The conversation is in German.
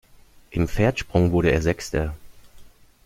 Im Pferdsprung wurde er Sechster.